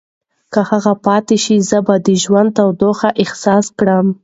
که هغه پاتې شي، زه به د ژوند تودوخه احساس کړم.